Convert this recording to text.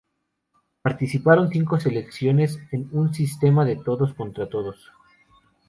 Participaron cinco selecciones en un sistema de todos contra todos.